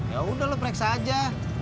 ya udah lo periksa aja